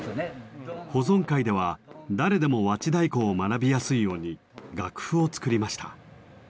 保存会では誰でも和知太鼓を学びやすいように楽譜を作りました。